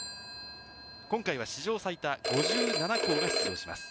今回は史上最多５７校が出場します。